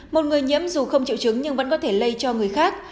một người nhiễm dù không triệu chứng nhưng vẫn có thể lây cho người khác